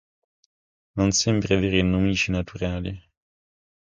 Non sembra avere nemici naturali.